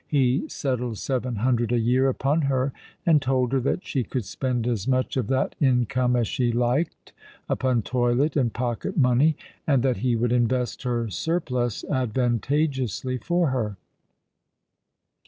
He settled seven hundred a year upon her, and told her that she could spend as much of that income as she liked upon toilet and pocket money, and that he would invest her surplus advantageously for her.